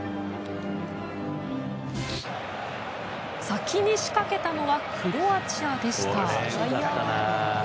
先に仕掛けたのはクロアチアでした。